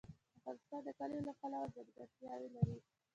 افغانستان د کلیو له پلوه ځانګړتیاوې لري.